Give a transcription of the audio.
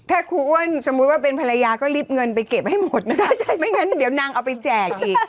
ถ้าครูอ้วนสมมุติว่าเป็นภรรยาก็รีบเงินไปเก็บให้หมดนะคะใช่ไม่งั้นเดี๋ยวนางเอาไปแจกอีก